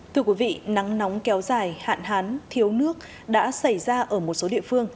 thưa quý vị nắng nóng kéo dài hạn hán thiếu nước đã xảy ra ở một số địa phương